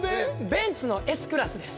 ベンツのＳクラスです。